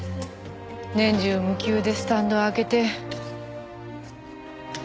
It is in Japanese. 年中無休でスタンド開けて。